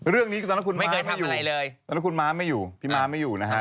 เรื่องนี้ตอนนั้นคุณมาไม่อยู่พี่มาไม่อยู่นะครับ